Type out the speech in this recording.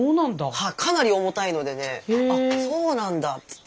かなり重たいのでねあっそうなんだっつって。